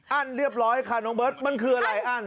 เรียบร้อยค่ะน้องเบิร์ตมันคืออะไรอั้น